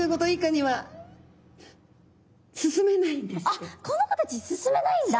あっこの子たち進めないんだ。